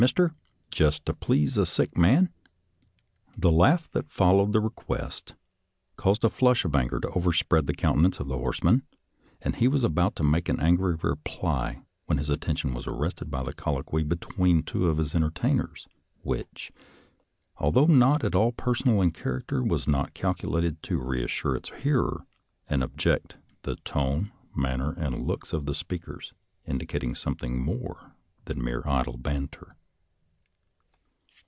Mister, just to please a sick man? " The laugh that followed the request caused a flush of anger to overspread the countenance of the horseman, and he was about to make an angry reply, when his attention was arrested by a colloquy between two of his en tertainers, which, although not at all personal in character, was not calculated to reassure its hearer and object — the tone, manner, and looks of the speakers indicating something more than mere idle banter.